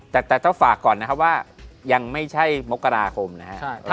แต่ต้องฝากก่อนนะครับว่ายังไม่ใช่มกราคมนะครับ